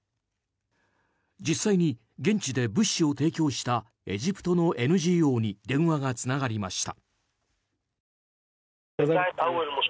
実際に現地で物資を提供したエジプトのＮＧＯに電話がつながりました。